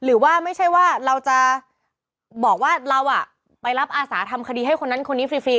หรือว่าไม่ใช่ว่าเราจะบอกว่าเราไปรับอาสาทำคดีให้คนนั้นคนนี้ฟรี